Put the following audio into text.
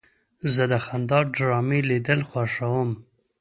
زه د خندا ډرامې لیدل خوښوم.